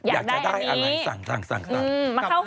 ยังได้อันนี้สั่งสั่งสั่งสั่งหลบอยากจะได้อันนี้